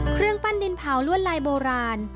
เครื่องปั้นดินเผาลวดลายโบราณ